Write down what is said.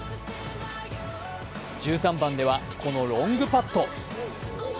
１３番では、このロングパット。